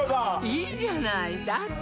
いいじゃないだって